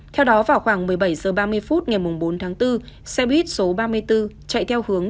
theo đó vào khoảng một mươi bảy h ba mươi phút ngày bốn tháng bốn xe buýt số ba mươi bốn chạy theo hướng